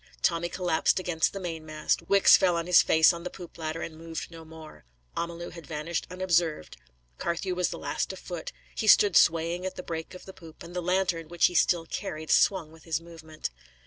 Tommy collapsed against the mainmast; Wicks fell on his face on the poop ladder and moved no more; Amalu had vanished unobserved. Carthew was the last afoot: he stood swaying at the break of the poop, and the lantern, which he still carried, swung with his movement.